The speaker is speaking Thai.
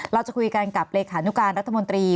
เราจะคุยกันกับรกฐรัฐมนตรี